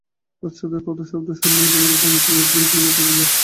পশ্চাতে পদশব্দ শুনিয়া একেবারে চমকিয়া উঠিয়া ফিরিয়া তাকাইল।